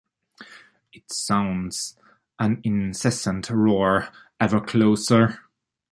It sounds a incessant roar ever closer.